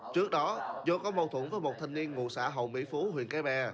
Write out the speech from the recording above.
trước đó do có mâu thuẫn với một thanh niên ngụ xã hậu mỹ phú huyện cái bè